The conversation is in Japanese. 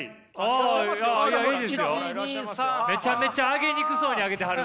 めちゃめちゃあげにくそうにあげてはるわ！